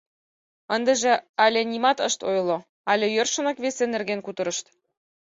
Ындыже але нимат ышт ойло, але йӧршынак весе нерген кутырышт.